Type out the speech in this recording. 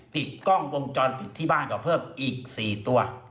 ผิดกล้องวงจรผิดที่บ้านเขาเพิ่มอีกสี่ตัว